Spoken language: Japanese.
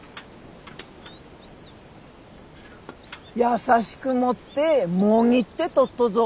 優しく持ってもぎって取っとぞ。